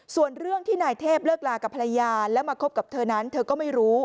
ส่วนเรื่องที่นายเทพเลิกลากับภรรยาแล้วมาคบกับเธอนั้นเธอก็ไม่รู้